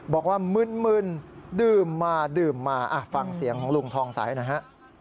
บอกว่ามื้นดื่มมาฟังเสียงของลุงทองสายนะฮะ